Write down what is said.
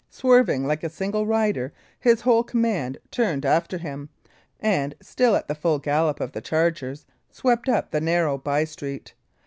Swerving like a single rider, his whole command turned after him, and, still at the full gallop of the chargers, swept up the narrow bye street.